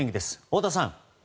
太田さん。